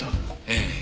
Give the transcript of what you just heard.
ええ。